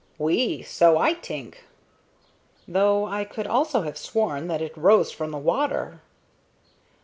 "Oui; so I t'ink." "Though I could also have sworn that it rose from the water."